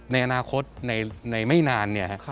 ในอนาคตในไม่นาน